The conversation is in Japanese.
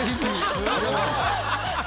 ありがとうございます。